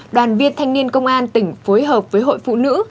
đoàn viên thanh niên công an tỉnh phối hợp với hội phụ nữ